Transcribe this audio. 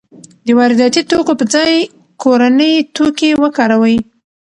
د وارداتي توکو په ځای کورني توکي وکاروئ.